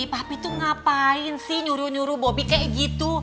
papi tuh ngapain sih nyuruh nyuruh bobby kayak gitu